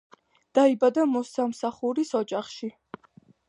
დაიბადა მოსამსახურის ოჯახში.